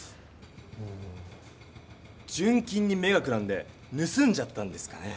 純金に目がくらんでぬすんじゃったんですかね？